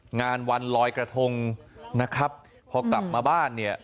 งานวันลอยกระทงนะครับพอกลับมาบ้านเนี่ย